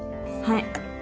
はい。